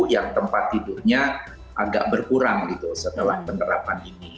yang tempat tidurnya agak berkurang gitu setelah penerapan ini